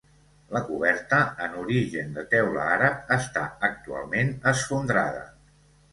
La coberta, en origen de teula àrab, està actualment esfondrada.